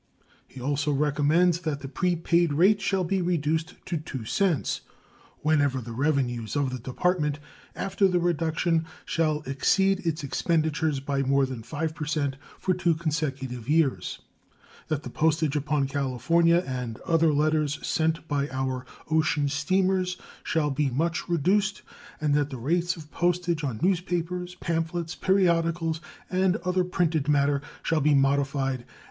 He also recommends that the prepaid rate shall be reduced to 2 cents whenever the revenues of the Department, after the reduction, shall exceed its expenditures by more than 5 per cent for two consecutive years; that the postage upon California and other letters sent by our ocean steamers shall be much reduced, and that the rates of postage on newspapers, pamphlets, periodicals, and other printed matter shall be modified and some reduction thereon made.